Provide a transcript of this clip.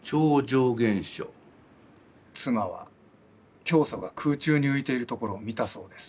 妻は教祖が空中に浮いているところを見たそうです。